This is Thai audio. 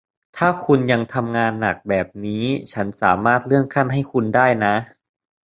ถ้าคุณยังทำงานหนักแบบนี้ ฉันสามารถเลื่อนขั้นให้คุณได้นะ